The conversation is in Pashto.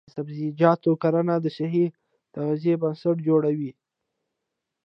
د سبزیجاتو کرنه د صحي تغذیې بنسټ جوړوي.